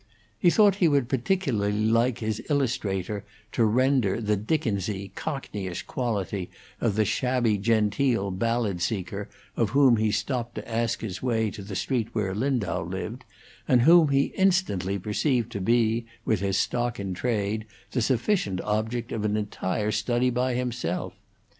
He thought he would particularly like his illustrator to render the Dickensy, cockneyish quality of the shabby genteel ballad seller of whom he stopped to ask his way to the street where Lindau lived, and whom he instantly perceived to be, with his stock in trade, the sufficient object of an entire study by himself.